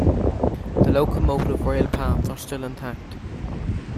The locomotive rail paths are still intact.